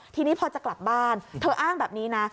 ทีนี้พอจะกลับบ้านเธออ้างแบบนี้นะ